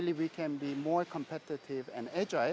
saya yakin kami bisa lebih kompetitif dan agil